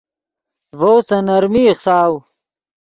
ڤؤ سے نرمی ایخساؤ